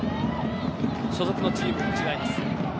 所属のチームは違います。